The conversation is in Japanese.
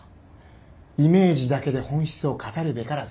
イメージだけで本質を語るべからず。